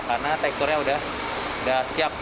karena teksturnya sudah siap